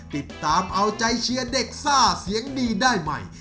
ติดตามเอาใจเชียร์เด็กซ่าเสียงดีได้ใหม่